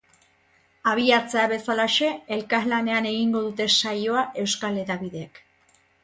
Abiatzea bezalaxe, elkarlanean egingo dute saioa euskal hedabideek.